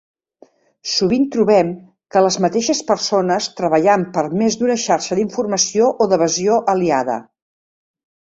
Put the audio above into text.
Sovint trobem que les mateixes persones treballant per més d’una xarxa d’informació o d’evasió aliada.